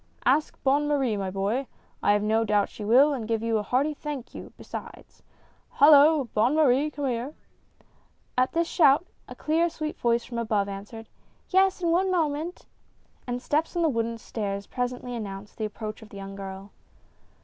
"Ask Bonne Marie, my boy, I have no doubt she will, and give you a hearty 'thank you,' besides — Hallo I Bonne Marie, come here I " At this shout, a clear, sweet voice from above answered " yes, in one moment I " And steps on the wooden stairs presently, announced the approach of the young girl.